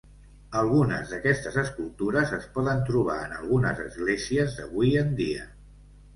Algunes d'aquestes escultures es poden trobar en algunes esglésies d'avui en dia.